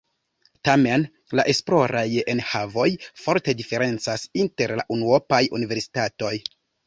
Tamen la esploraj enhavoj forte diferencas inter la unuopaj universitatoj.